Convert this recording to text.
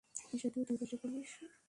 সেতুর দুপাশে পুলিশ।